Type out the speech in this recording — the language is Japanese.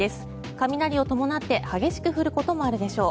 雷を伴って激しく降ることもあるでしょう。